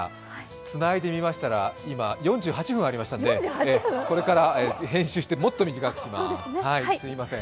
つないでみましたら、今４８分ありましたので、これから編集して、もっと短くします、すいません。